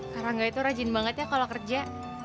karangga itu rajin banget ya kalau kerja